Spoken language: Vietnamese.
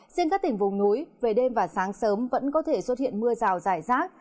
riêng các tỉnh vùng núi về đêm và sáng sớm vẫn có thể xuất hiện mưa rào rải rác